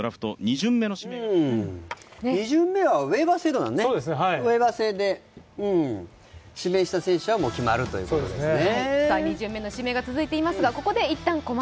２巡目はウェーバー制度で指名した選手は決まるということですね。